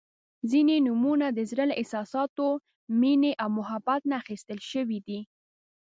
• ځینې نومونه د زړۀ له احساساتو، مینې او محبت نه اخیستل شوي دي.